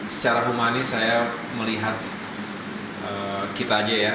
secara humanis saya melihat kita aja ya